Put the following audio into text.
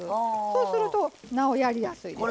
そうするとなおやりやすいですね。